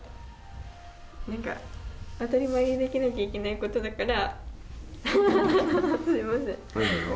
なんか当たり前にできなきゃいけないことだからハハハハすいません。